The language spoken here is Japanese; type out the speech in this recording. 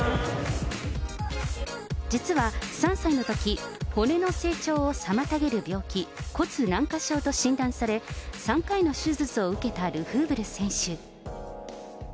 実は３歳のとき、骨の成長を妨げる病気、骨軟化症と診断され、３回の手術を受けたルフーブル選手。